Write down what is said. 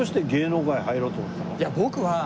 いや僕は。